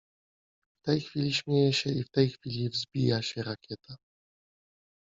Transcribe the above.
W tej chwili śmieje się i w tej chwili wzbija się rakieta.